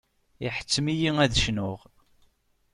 Iḥettem-iyi ad cnuɣ.